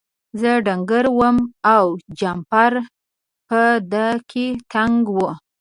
زه ډنګر وم او جمپر په ده کې تنګ و.